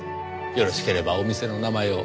よろしければお店の名前を。